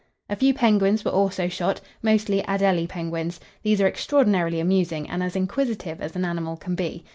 A few penguins were also shot, mostly Adélie penguins; these are extraordinarily amusing, and as inquisitive as an animal can be.